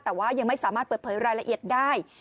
แต่ว่ายังไม่สามารถเปิดเผยรายละเอียดได้